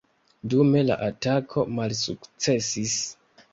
Dume, la atako malsukcesis.